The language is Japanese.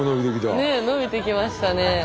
ね伸びてきましたね。